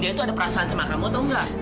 dia itu ada perasaan sama kamu atau enggak